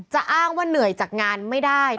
อ้างว่าเหนื่อยจากงานไม่ได้